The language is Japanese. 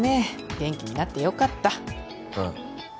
元気になってよかったああ